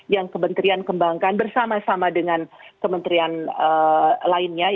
yang kementerian kembangkan bersama sama dengan kementerian lainnya